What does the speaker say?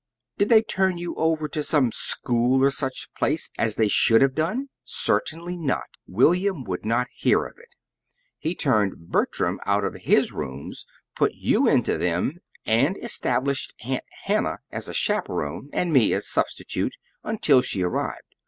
Did they turn you over to some school or such place, as they should have done? Certainly not! William would not hear of it. He turned Bertram out of his rooms, put you into them, and established Aunt Hannah as chaperon and me as substitute until she arrived.